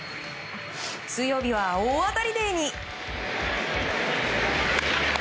水曜日は大当たりデーに。